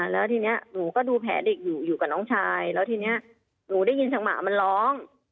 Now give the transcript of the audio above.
แล้วทีนี้หนูก็ดูแผลเด็กอยู่อยู่กับน้องชายแล้วทีนี้หนูได้ยินจังหวะมันร้อง